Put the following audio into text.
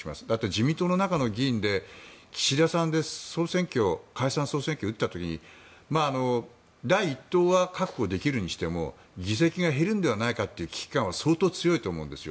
自民党の中の議員で岸田さんで解散・総選挙を打った時に第１党は確保できるにしても議席が減るんじゃないかという危機感は相当強いと思うんです。